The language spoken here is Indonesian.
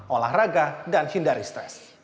olahraga dan hindari stres